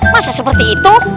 masa seperti itu